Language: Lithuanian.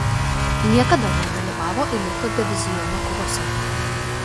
Niekada nedalyvavo elito diviziono kovose.